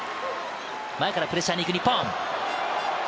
前からプレッシャーに行く日本。